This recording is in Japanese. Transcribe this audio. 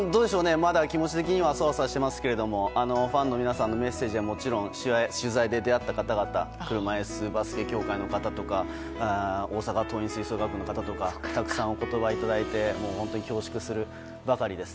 まだ気持ち的にはそわそわしていますけれどもファンの皆さんのメッセージはもちろん取材で出会った方々車いすバスケ協会の方々大阪桐蔭吹奏楽部の方々とかたくさんお言葉をいただいて本当に恐縮するばかりです。